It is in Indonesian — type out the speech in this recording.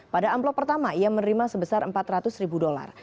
pada amplop pertama ia menerima sebesar empat ratus ribu dolar